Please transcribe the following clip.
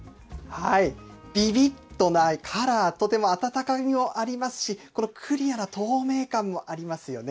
ビビッドなカラー、とてもあたたかみもありますし、クリアな透明感もありますよね。